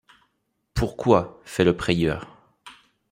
Pourquoy ? feit le prieur.